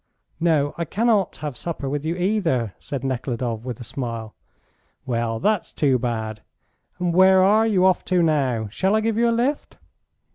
"No, I cannot have supper with you either," said Nekhludoff with a smile. "Well, that's too bad! And where are you off to now? Shall I give you a lift?"